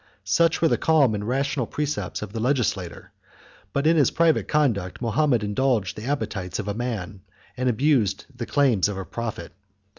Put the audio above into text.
160 Such were the calm and rational precepts of the legislator: but in his private conduct, Mahomet indulged the appetites of a man, and abused the claims of a prophet.